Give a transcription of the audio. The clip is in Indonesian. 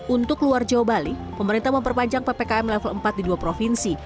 untuk luar jawa bali pemerintah memperpanjang ppkm level empat di dua provinsi